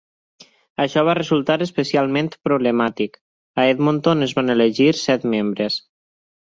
Això va resultar especialment problemàtic: a Edmonton es van elegir set membres.